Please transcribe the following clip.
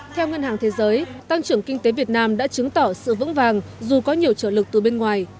theo ngân hàng thế giới tăng trưởng kinh tế việt nam đã chứng tỏ sự vững vàng dù có nhiều trở lực từ bên ngoài